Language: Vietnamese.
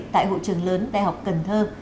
tại hộ trường lớn đại học cần thơ